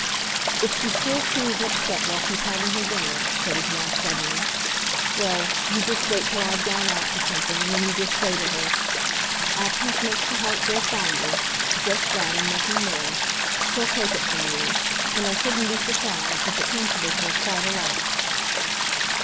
"If she still seems upset while she's having her dinner," said his wife suddenly, "well, you just wait till I've gone out for something, and then you just say to her, 'Absence makes the heart grow fonder'—just that, and nothing more! She'll take it from you. And I shouldn't be surprised if it comforted her quite a lot."